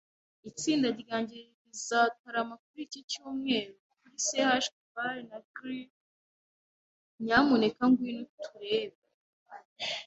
Itsinda ryanjye rizatarama kuri iki cyumweru kuri Chuck's Bar na Grill. Nyamuneka ngwino uturebe.